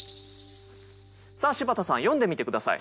さあ柴田さん読んでみて下さい。